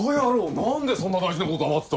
何でそんな大事なこと黙ってた。